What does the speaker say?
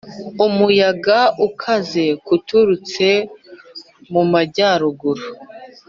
Umuyaga ukaze k uturutse mu majyaruguru